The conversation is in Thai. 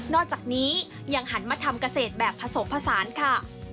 อกจากนี้ยังหันมาทำเกษตรแบบผสมผสานค่ะ